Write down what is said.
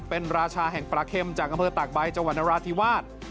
เป็นราชาแห่งปลาเข้มจากอเมืองตากใบจวันอราธิวาส